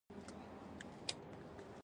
زما به یې زړه ګډوډ کړ.